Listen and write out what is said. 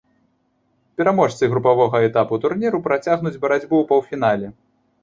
Пераможцы групавога этапу турніру працягнуць барацьбу ў паўфінале.